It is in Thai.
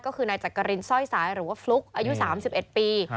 ก็คือนายจักรินสร้อยสายหรือว่าฟลุ๊กอายุ๓๑ปี